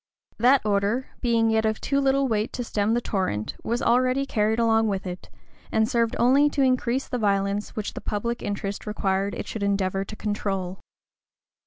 That order, being an yet of too little weight to stem the torrent, was always carried along with it, and served only to increase the violence which the public interest required it should endeavor to control.